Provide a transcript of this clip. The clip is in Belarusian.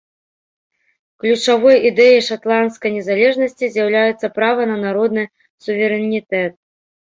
Ключавой ідэяй шатландскай незалежнасці з'яўляецца права на народны суверэнітэт.